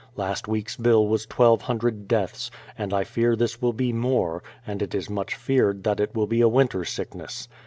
Last week's bill was 1200 deaths, and I fear this will be more, and it is much feared that it will be a winter sickness.